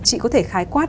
chị có thể khái quát